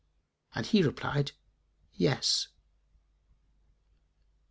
and he replied, "Yes."